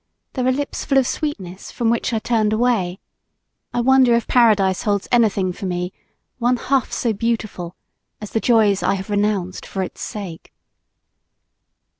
There are lips full of sweetness, from which I turned away. I wonder if Paradise holds anything for me, one half so beautiful As the joys I have renounced for its sake!